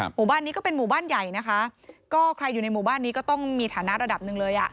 หมู่บ้านนี้ก็เป็นหมู่บ้านใหญ่นะคะก็ใครอยู่ในหมู่บ้านนี้ก็ต้องมีฐานะระดับหนึ่งเลยอ่ะ